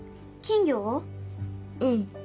うん。